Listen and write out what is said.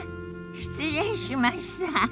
失礼しました。